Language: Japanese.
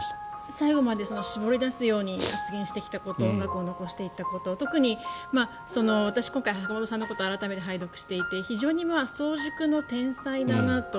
最後まで絞り出すように発言してきたこと音楽を残してきたこと特に私、今回、坂本さんのことを改めて拝読していて非常に早熟の天才だなと。